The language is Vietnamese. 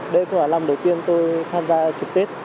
đêm của năm đầu tiên tôi tham gia trực tết